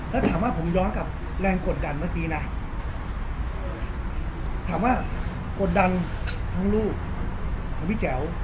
แล้วถามว่าผมย้อนกับแรงกดดันเมื่อกี้นะถามว่ากดดันทั้งลูกของพี่แจ๋ว